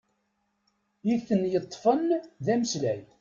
I ten-yeṭṭfen d ameslay!